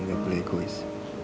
nggak boleh egois